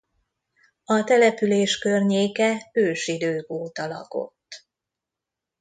A település környéke ősidők óta lakott.